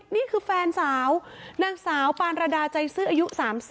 นี่คือแฟนสาวนางสาวปานระดาใจซื้ออายุ๓๐